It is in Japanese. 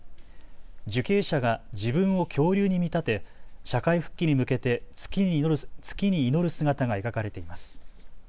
受刑者が自分を恐竜に見立て社会復帰に向けて月に祈る姿が描かれています。